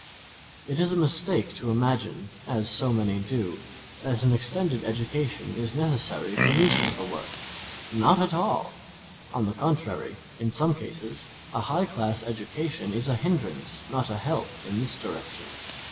It is a mistake to imagine, as so many do, that an extended education is necessary for newspaper work. Not at all! On the contrary, in some cases, a high class education is a hindrance, not a help in this direction.